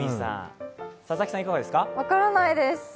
分からないです。